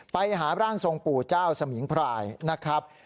ไปหาร่างทรงปู่เจ้าสมิงพรายนะครับ